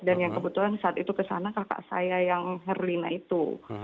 dan yang kebetulan saat itu kesana kakak saya yang herlina itu